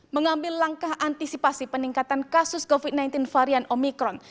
mengambil langkah antisipasi peningkatan kasus covid sembilan belas varian omikron